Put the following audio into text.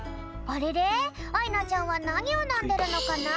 あいなちゃんはなにをのんでるのかな？